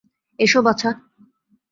এসো, বাছা।